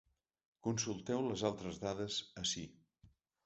Consulteu les altres dates ací.